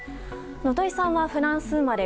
土井さんはフランス生まれ。